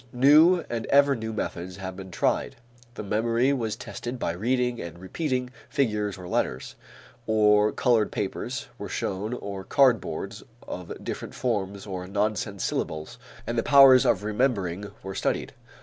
New and ever new methods have been tried; the memory was tested by reading and repeating figures or letters, or colored papers were shown or cardboards of different forms or nonsense syllables, and the powers of remembering were studied.